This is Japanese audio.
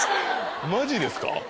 マジですか？